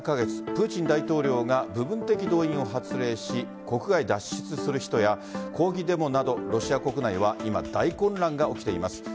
プーチン大統領が部分的動員を発令し国外脱出する人や抗議デモなどロシア国内は今、大混乱が起きています。